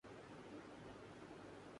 انہوں نے اس کو مخبری کا کام دے دیا